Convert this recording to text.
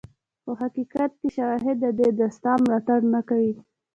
خو حقیقت کې شواهد د دې داستان ملاتړ نه کوي.